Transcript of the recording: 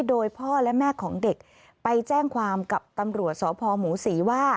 โดยพ่อและแม่ของเด็กไปแจ้งความกับตำรวจสพหมูศรีว่า